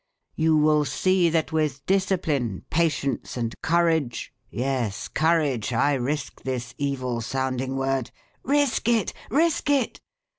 ') You will see that with discipline, patience, and courage yes, courage, I risk this evil sounding word ('Risk it, risk it.'